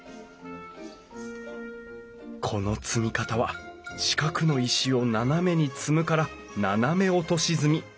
この積み方は四角の石を斜めに積むから斜め落とし積み。